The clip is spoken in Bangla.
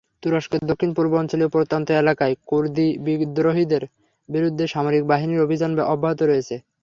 তুরস্কের দক্ষিণ-পূর্বাঞ্চলীয় প্রত্যন্ত এলাকায় কুর্দি বিদ্রোহীদের বিরুদ্ধে সামরিক বাহিনীর অভিযান অব্যাহত রয়েছে।